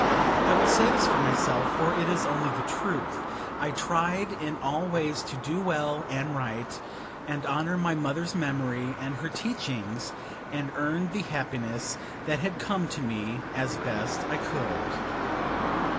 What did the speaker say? I will say this for myself, for it is only the truth: I tried in all ways to do well and right, and honor my mother's memory and her teachings, and earn the happiness that had come to me, as best I could.